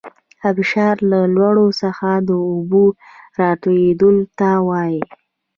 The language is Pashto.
ابشار له لوړو څخه د اوبو راتویدلو ته وايي.